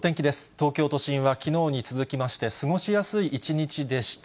東京都心はきのうに続きまして、過ごしやすい一日でした。